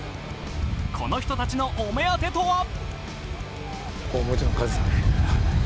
この人たちのお目当てとは？